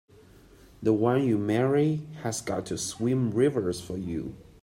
The one you marry has got to swim rivers for you!